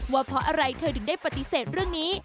ว่าเพราะอะไรเธอถึงได้ปฏิเสธเรื่องนี้